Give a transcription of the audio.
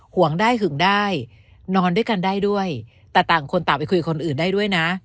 ห่วงได้หึงได้นอนด้วยกันได้ด้วยแต่ต่างคนต่างไปคุยคนอื่นได้ด้วยนะ